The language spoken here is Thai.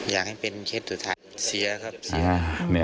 อยากให้เป็นเคสสุดท้ายเสียครับเสีย